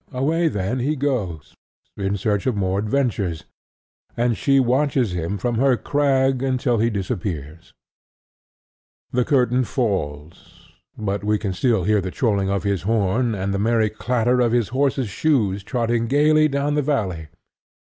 Away then he goes in search of more adventures; and she watches him from her crag until he disappears. The curtain falls; but we can still hear the trolling of his horn, and the merry clatter of his horse's shoes trotting gaily down the valley.